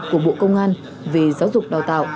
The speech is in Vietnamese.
của bộ công an về giáo dục đào tạo